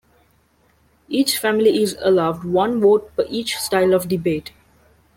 Each family is allowed one vote per each style of debate.